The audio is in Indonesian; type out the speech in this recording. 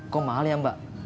kok mahal ya mbak